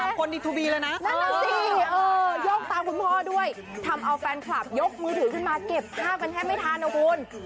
นั่นแหละสิยกตามคุณพ่อด้วยทำเอาแฟนคลับยกมือถือขึ้นมาเก็บภาพกันแทบไม่ทันนะคุณ